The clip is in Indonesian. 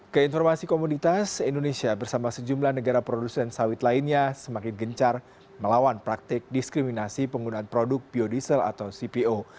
keinformasi komunitas indonesia bersama sejumlah negara produsen sawit lainnya semakin gencar melawan praktik diskriminasi penggunaan produk biodiesel atau cpo